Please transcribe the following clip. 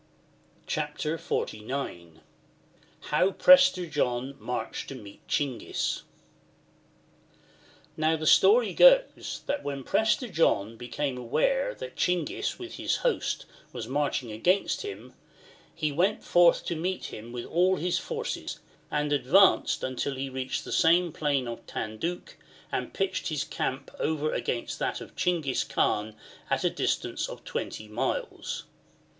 CHAPTER XLIX. How Prester John marched to meet Chinghis, Now the story goes that when Prester John became aware that Chinghis with his host was marching against him, he went forth to meet him with all his forces, and advanced until he reached the same plain of Tanduc, and pitched his camp over against that of Chinghis Kaan at a distance of 20 miles.